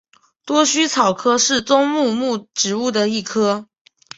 多须草科是棕榈目植物的一科。